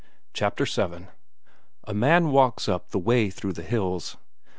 Chapter VII A man walks up the way through the hills.